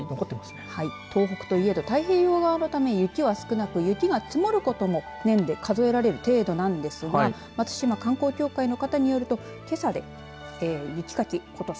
東北というと太平洋のため雪は少なく雪が積もることも年で数えられる程度ですが松島観光協会の方によるとけさで雪かきことし